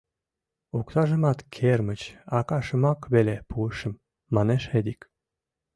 — Оксажымат кермыч акашымак веле пуышым, — манеш Эдик.